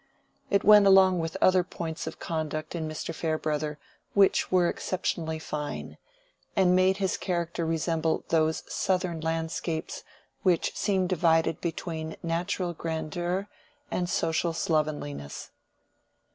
It went along with other points of conduct in Mr. Farebrother which were exceptionally fine, and made his character resemble those southern landscapes which seem divided between natural grandeur and social slovenliness.